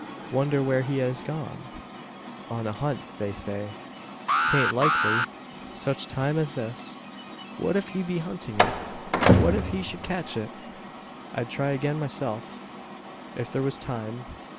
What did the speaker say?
Wonder where he has gone? On a hunt, they say. 'Tain't likely, such time as this. What if he be hunting it? What if he should catch it? "I'd try again myself, if there was time.